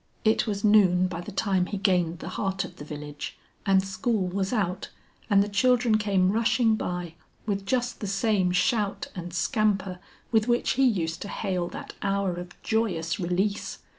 It was noon by the time he gained the heart of the village, and school was out and the children came rushing by with just the same shout and scamper with which he used to hail that hour of joyous release.